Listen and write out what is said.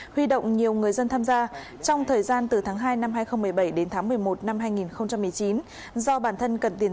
huy động nhiều người dân tham gia trong thời gian từ tháng hai năm hai nghìn một mươi bảy đến tháng một mươi một năm hai nghìn một mươi chín